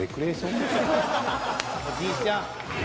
おじいちゃん。